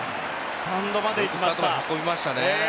スタンドまでいきました。